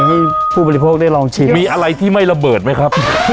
ให้ผู้บริโภคได้ลองชิมมีอะไรที่ไม่ระเบิดไหมครับ